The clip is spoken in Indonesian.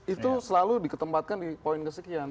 itu selalu diketempatkan di poin kesekian